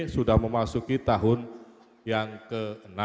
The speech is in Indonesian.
sudah memasuki tahun yang ke enam